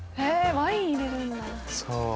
ワイン入れるんだ。